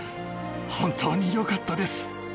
本当によかったです。